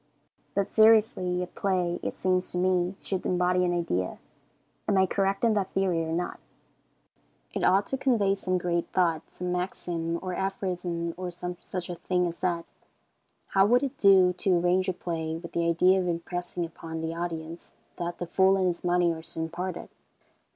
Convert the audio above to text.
But seriously, a play, it seems to me, should embody an idea. Am I correct in that theory or not? It ought to convey some great thought, some maxim or aphorism, or some such a thing as that. How would it do to arrange a play with the idea of impressing upon the audience that "the fool and his money are soon parted?"